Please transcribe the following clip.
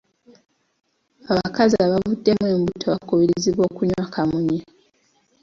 Abakazi abavuddemu embuto bakubirizibwa okunywa kamunye.